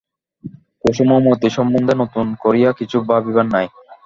কুসুম ও মতির সম্বন্ধে নূতন করিয়া কিছু ভাবিবার নাই।